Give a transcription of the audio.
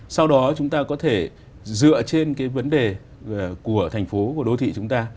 sau đó chúng ta có thể dựa trên cái vấn đề của thành phố của đô thị chúng ta